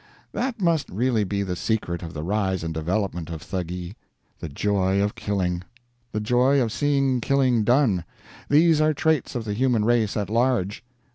That must really be the secret of the rise and development of Thuggee. The joy of killing! the joy of seeing killing done these are traits of the human race at large.